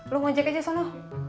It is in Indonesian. lu ngajak aja sana